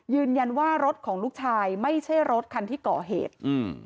ยืนยันว่ารถของลูกชายไม่ใช่รถคันที่ก่อเหตุ